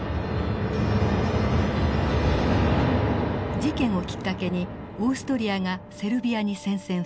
事件をきっかけにオーストリアがセルビアに宣戦布告。